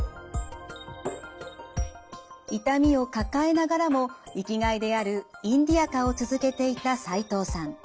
痛みを抱えながらも生きがいであるインディアカを続けていた齋藤さん。